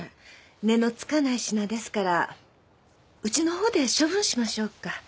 値の付かない品ですからうちの方で処分しましょうか？